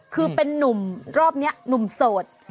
คือเป็นนุ่มรอบนี้หนุ่มโสด